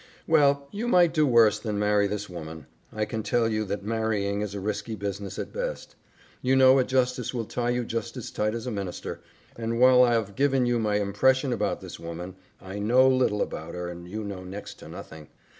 "Well, you might do worse than marry this woman. I can tell you that marrying is risky business at best. You know a justice will tie you just as tight as a minister, and while I've given you my impression about this woman, I KNOW little about her and you know next to nothing."